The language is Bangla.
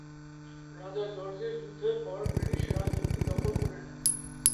রাজা জর্জের যুদ্ধের পর ব্রিটিশরা দ্বীপটি দখল করে নেয়।